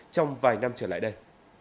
trong vài năm trở lại đây